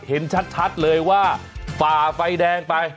เห็นชัดเลยว่าฝ่าไฟแดงไป